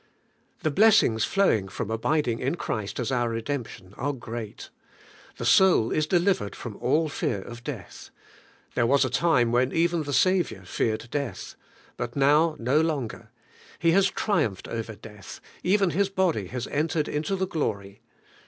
The blessings flowing from abiding in Christ as our redemption, are great. The soul is delivered from all fear of death. There was a time when even the Saviour feared death. But now no longer. He has triumphed over death; even His body has entered into the glory.